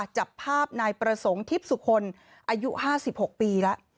จับภาพนายประสงค์ทิพย์สุคลอายุ๕๖ปีแล้ว